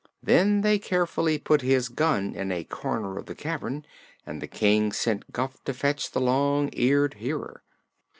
Then they carefully put his gun in a corner of the cavern and the King sent Guph to fetch the Long Eared Hearer.